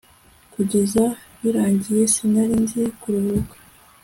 kugeza birangiye, sinari nzi kuruhuka